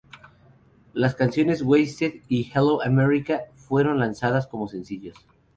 Las canciones "Wasted" y "Hello America" fueron lanzadas como sencillos.